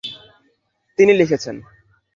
তিনি লিখেছেন।